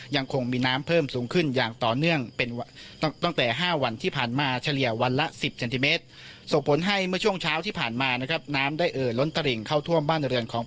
ยังคงมีน้ำเพิ่มสูงขึ้นอย่างต่อเนื่อง